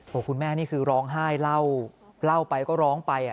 คุณแม่นี่คือร้องไห้เล่าเล่าไปก็ร้องไป